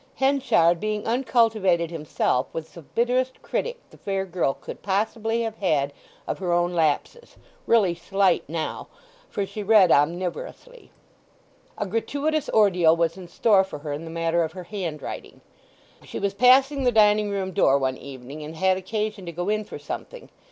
Henchard, being uncultivated himself, was the bitterest critic the fair girl could possibly have had of her own lapses—really slight now, for she read omnivorously. A gratuitous ordeal was in store for her in the matter of her handwriting. She was passing the dining room door one evening, and had occasion to go in for something.